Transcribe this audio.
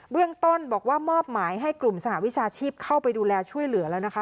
เรื่องต้นบอกว่ามอบหมายให้กลุ่มสหวิชาชีพเข้าไปดูแลช่วยเหลือแล้วนะคะ